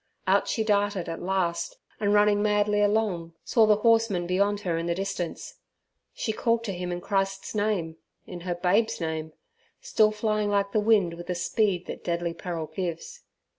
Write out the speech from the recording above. Out she darted at last, and running madly along, saw the horseman beyond her in the distance. She called to him in Christ's name, in her babe's name, still flying like the wind with the speed that deadly peril gives.